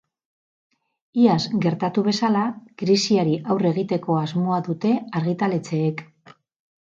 Iaz gertatu bezala, krisiari aurre egiteko asmoa dute argitaletxeek.